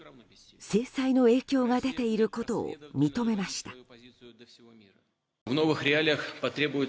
制裁の影響が出ていることを認めました。